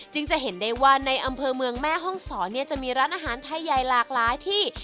จะเห็นได้ว่าในอำเภอเมืองแม่ห้องศรเนี่ยจะมีร้านอาหารไทยใหญ่หลากหลายที่